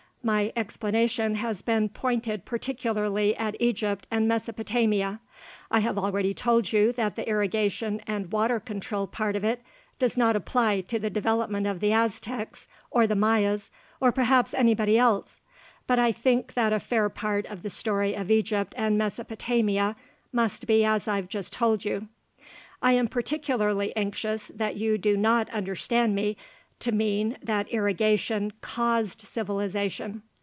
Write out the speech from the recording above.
My explanation has been pointed particularly at Egypt and Mesopotamia. I have already told you that the irrigation and water control part of it does not apply to the development of the Aztecs or the Mayas, or perhaps anybody else. But I think that a fair part of the story of Egypt and Mesopotamia must be as I've just told you. I am particularly anxious that you do not understand me to mean that irrigation caused civilization.